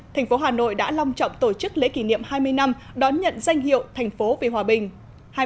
thành phố hà nội đã long trọng tổ chức lễ kỷ niệm hai mươi năm đón nhận danh hiệu thành phố vì hòa bình